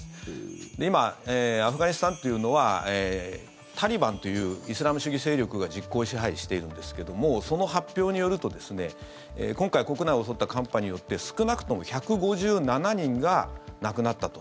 今、アフガニスタンというのはタリバンというイスラム主義勢力が実効支配しているんですけどもその発表によると今回、国内を襲った寒波によって少なくとも１５７人が亡くなったと。